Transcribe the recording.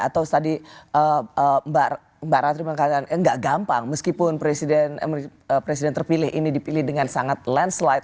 atau tadi mbak ratri mengatakan nggak gampang meskipun presiden terpilih ini dipilih dengan sangat landslide